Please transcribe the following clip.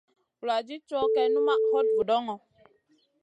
Vuladid cow gèh numaʼ hot vudoŋo.